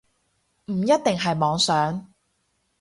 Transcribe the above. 唔一定係妄想